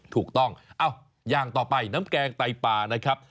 ถูกต้องอย่างต่อไปน้ำแกงไตปลานะครับ